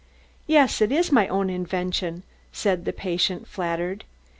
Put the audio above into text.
"Yes, it is my own invention," said the patient, flattered.